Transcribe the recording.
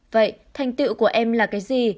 vậy thành tựu của em là cái gì